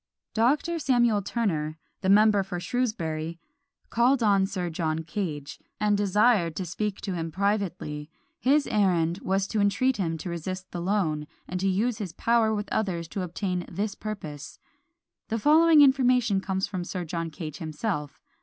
Dr. Samuel Turner, the member for Shrewsbury, called on Sir John Cage, and desired to speak to him privately; his errand was to entreat him to resist the loan, and to use his power with others to obtain this purpose. The following information comes from Sir John Cage himself.